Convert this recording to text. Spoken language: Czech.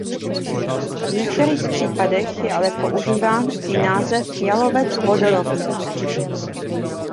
V některých případech je ale používán i název jalovec vodorovný.